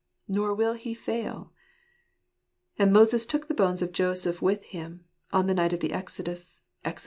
Nor will He fail. " And Moses took the bones of Joseph with him," on the night of the exodus (Exod.